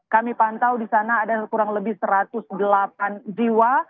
kami pantau di sana ada kurang lebih satu ratus delapan jiwa